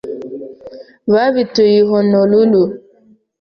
Babituye i Honolulu.